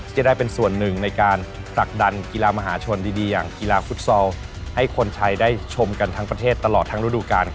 จะได้เป็นส่วนหนึ่งในการผลักดันกีฬามหาชนดีอย่างกีฬาฟุตซอลให้คนไทยได้ชมกันทั้งประเทศตลอดทั้งฤดูกาล